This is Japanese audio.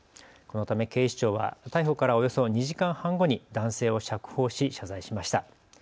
このため警視庁は逮捕からおよそ２時間半後に男性を釈放し謝罪しました。